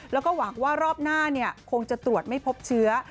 แล้วก็หวังว่ารอบหน้าคงจะตรวจไม่พบเชื้อ